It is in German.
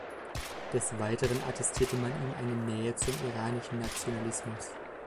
Des Weiteren attestierte man ihm eine Nähe zum iranischen Nationalismus.